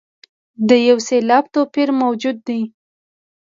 د یو سېلاب توپیر موجود دی.